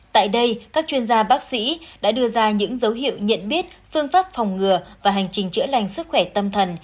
tại đây các chuyên gia bác sĩ đã đưa ra những dấu hiệu nhận biết phương pháp phòng ngừa và hành trình chữa lành sức khỏe tâm thần